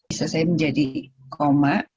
bisa saya menjadi koma